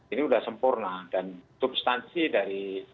ini sudah sempurna dan substansi dari